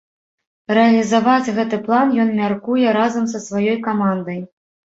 Рэалізаваць гэты план ён мяркуе разам са сваёй камандай.